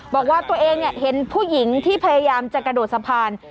บอกว่าตัวเองเห็นผู้หญิงที่พยายามจะกระโดดสะพาน